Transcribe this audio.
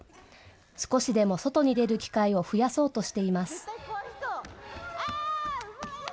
少しでも外に出る機会を増やそうとしています。